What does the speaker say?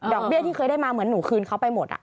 เบี้ยที่เคยได้มาเหมือนหนูคืนเขาไปหมด